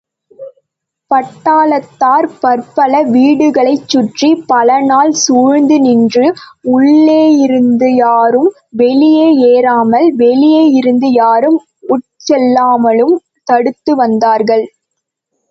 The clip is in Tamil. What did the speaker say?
பட்டாளத்தார் பற்பல வீடுகளைச் சுற்றி பலநாள் சூழ்ந்து நின்று, உள்ளேயிருந்துயாரும் வெளியேறாமலும் வெளியிலிருந்து யாரும் உட்செல்லாமலும் தடுத்து வந்தார்கள்.